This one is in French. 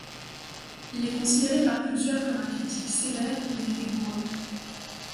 Il est considéré par plusieurs comme un critique sévère mais rigoureux.